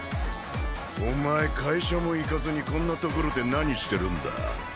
お前会社も行かずにこんな所で何してるんだ？